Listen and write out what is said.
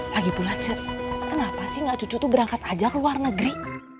lagipula ce kenapa sih gak cucu tuh berangkat aja ke luar negeri